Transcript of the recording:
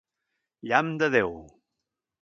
Llamp de Déu!